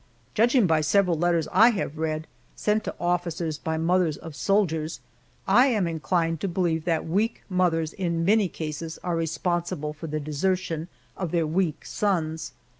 Judging by several letters I have read, sent to officers by mothers of soldiers, I am inclined to believe that weak mothers in many cases are responsible for the desertion of their weak sons.